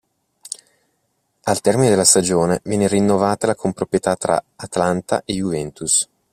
Al termine della stagione viene rinnovata la comproprietà tra Atalanta e Juventus.